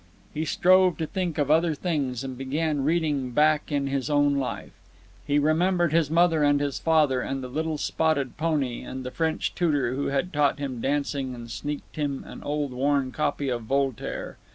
He strove to think of other things, and began reading back in his own life. He remembered his mother and his father, and the little spotted pony, and the French tutor who had taught him dancing and sneaked him an old worn copy of Voltaire.